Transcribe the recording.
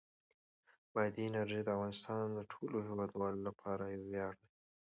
بادي انرژي د افغانستان د ټولو هیوادوالو لپاره یو ویاړ دی.